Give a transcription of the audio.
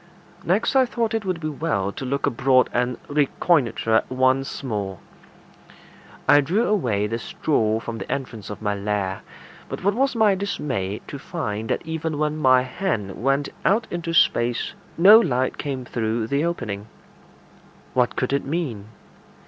Next I thought it would be well to look abroad and reconnoitre once more. I drew away the straw from the entrance to my lair; but what was my dismay to find that even when my hand went out into space no light came through the opening. What could it mean?